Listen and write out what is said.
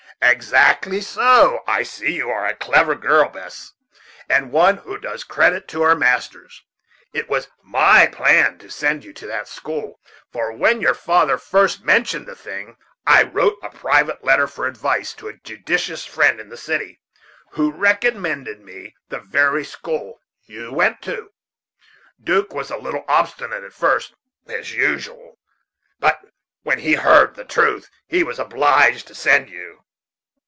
"Exactly so; I see you are a clever girl, Bess, and one who does credit to her masters. It was my plan to send you to that school; for when your father first mentioned the thing, I wrote a private letter for advice to a judicious friend in the city, who recommended the very school you went to. 'Duke was a little obstinate at first, as usual, but when he heard the truth he was obliged to send you."